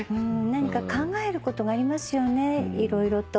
何か考えることがありますよね色々と。